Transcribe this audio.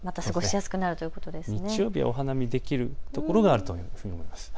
日曜日はお花見できる所があると思います。